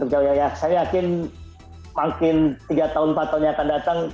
saya yakin tiga empat tahun yang akan datang